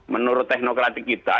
menurut teknokratik kita